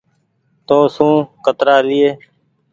تو سون ڪترآ لي۔